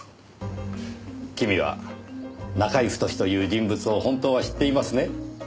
君はナカイ・フトシという人物を本当は知っていますね？